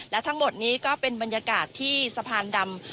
และทั้งหมดนี้ก็เป็นบรรยากาศที่สะพานดำ